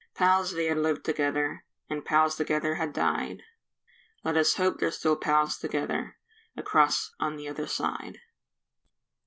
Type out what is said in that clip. Pals they had lived together And pals together had died; Let us hope they're still pals together, Across on the other side.